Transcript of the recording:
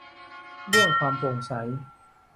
เรื่องความโปร่งใส